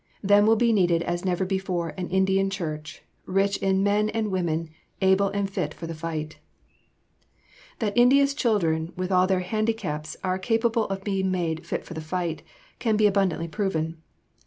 Then will be needed as never before an Indian church, rich in men and women able and fit for the fight." [Sidenote: An Indian girl redeemed.] That India's children with all their handicaps are capable of being made "fit for the fight" can be abundantly proven.